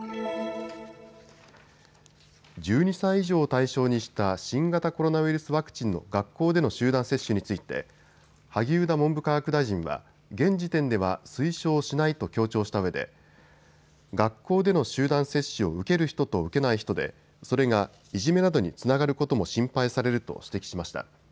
１２歳以上を対象にした新型コロナウイルスワクチンの学校での集団接種について萩生田文部科学大臣は現時点では推奨しないと強調したうえで学校での集団接種を受ける人と受けない人でそれが、いじめなどにつながることも心配されると指摘しました。